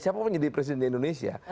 siapa mau jadi presiden di indonesia